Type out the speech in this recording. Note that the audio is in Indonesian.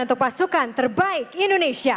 untuk pasukan terbaik indonesia